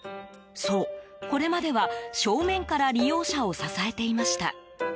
そう、これまでは正面から利用者を支えていました。